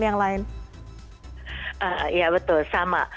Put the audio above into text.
ya betul sama